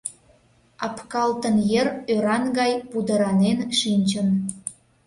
Апкалтын ер ӧран гай пудыранен шинчын.